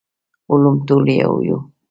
علوم ټول يو وو.